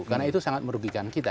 karena itu sangat merugikan kita